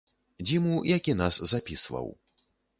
Дзіму, які нас запісваў.